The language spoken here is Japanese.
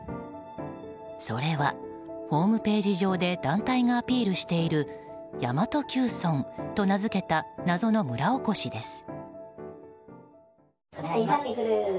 それは、ホームページ上で団体がアピールしている神真都Ｑ村と名付けた謎の村おこしです。